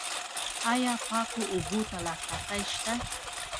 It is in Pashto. آیا پاکو اوبو ته لاسرسی شته؟